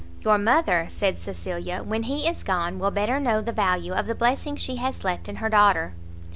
"Your mother," said Cecilia, "when he is gone, will better know the value of the blessing she has left in her daughter."